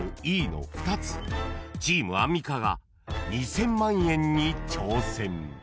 ［チームアンミカが２，０００万円に挑戦］